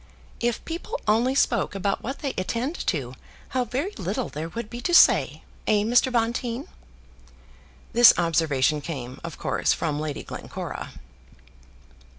"If people only spoke about what they attended to, how very little there would be to say, eh, Mr. Bonteen?" This observation came, of course, from Lady Glencora.